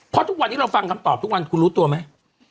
เพราะทุกวันนี้เราฟังคำตอบทุกวันคุณรู้ตัวไหม